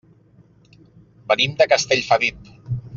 Venim de Castellfabib.